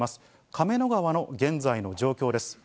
亀の川の現在の状況です。